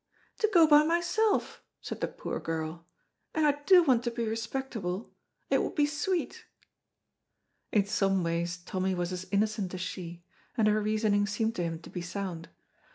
"To go by myself," said the poor girl, "and I do want to be respectable, it would be sweet." In some ways Tommy was as innocent as she, and her reasoning seemed to him to be sound.